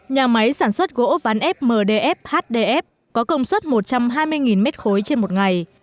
nhà máy sản xuất gỗ ván ép mdf hdf có công suất một trăm hai mươi m ba trên một ngày